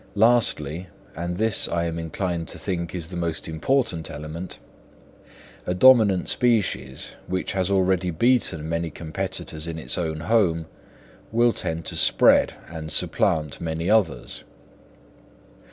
Lastly, and this I am inclined to think is the most important element, a dominant species, which has already beaten many competitors in its own home, will tend to spread and supplant many others.